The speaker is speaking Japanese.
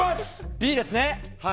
Ｂですね。